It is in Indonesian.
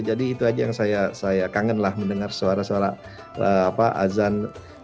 jadi itu saja yang saya kangenlah mendengar suara suara azan